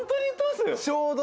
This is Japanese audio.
ちょうど。